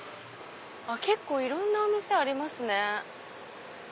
結構いろんなお店ありますね。